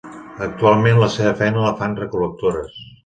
Actualment la seva feina la fan recol·lectores.